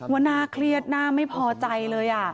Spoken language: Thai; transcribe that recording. ว่าน่าเครียดน่าไม่พอใจเลย